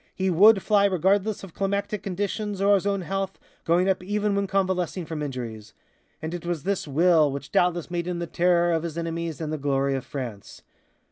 He would fly regardless of climatic conditions or his own health, going up even when convalescing from injuries. And it was this will which doubtless made him the terror of his enemies and the glory of France.